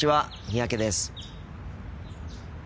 三宅です。